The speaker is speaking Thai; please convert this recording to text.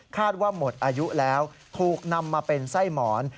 ว่าหมดอายุแล้วถูกนำมาเป็นไส้หมอน